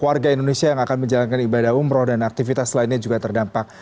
warga indonesia yang akan menjalankan ibadah umroh dan aktivitas lainnya juga terdampak